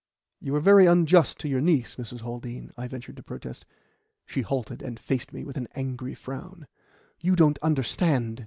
"You are very unjust to your niece, Mrs. Haldean," I ventured to protest. She halted, and faced me with an angry frown. "You don't understand!"